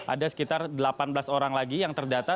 ada sekitar delapan belas orang lagi yang terdata